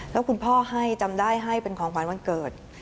แล้วคุณพ่อให้จำได้ให้เป็นของขวัญวันเกิด